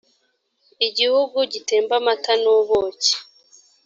igihugu gitemba amata n’ubuki,